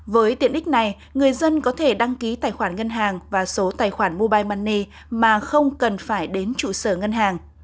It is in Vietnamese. với tiện ích này người dân có thể đăng ký tài khoản ngân hàng và số tài khoản mobile money mà không cần phải đến trụ sở ngân hàng